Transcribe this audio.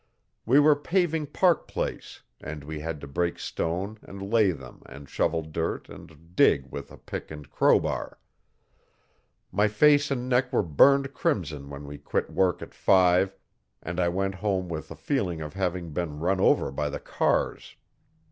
We were paving Park Place and we had to break stone and lay them and shovel dirt and dig with a pick and crowbar. My face and neck were burned crimson when we quit work at five, and I went home with a feeling of having been run over by the cars.